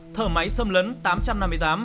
thở máy xâm lấn tám trăm năm mươi tám